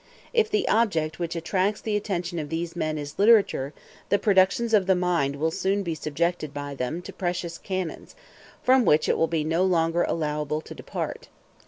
If the object which attracts the attention of these men is literature, the productions of the mind will soon be subjected by them to precise canons, from which it will no longer be allowable to depart.